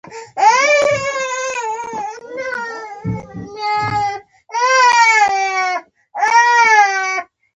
څه مشوره دې ورکړه!